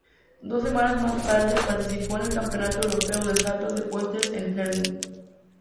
Dos semanas más tarde, participó en el Campeonato Europeo de Saltos Ecuestres en Herning.